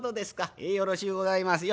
ええよろしゅうございますよ。